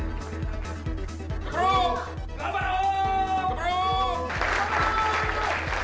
頑張ろう！